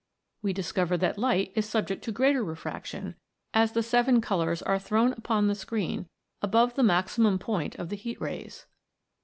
"VVe discover that light is subject to greater refraction as the seven colours are thrown. 94 THE MAGIC OF THE SUNBEAM. upon the screen above the maximum point of the heat rays.